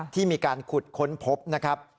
ที่มีการขุดค้นพบนะครับ